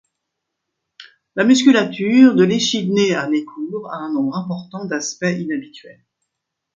La musculature de l'échidné à nez court a un nombre important d'aspects inhabituels.